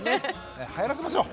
はやらせましょう。